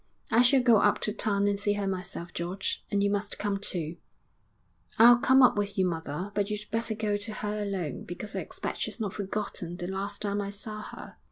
'I shall go up to town and see her myself, George; and you must come too.' 'I'll come up with you, mother, but you'd better go to her alone, because I expect she's not forgotten the last time I saw her.'